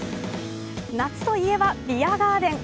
夏といえばビアガーデン！